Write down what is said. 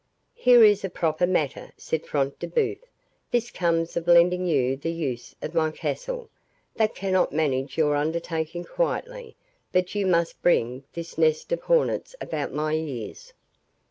"Here is a proper matter!" said Front de Bœuf, "this comes of lending you the use of my castle, that cannot manage your undertaking quietly, but you must bring this nest of hornets about my ears!"